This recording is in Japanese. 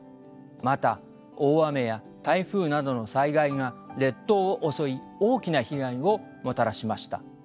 また大雨や台風などの災害が列島を襲い大きな被害をもたらしました。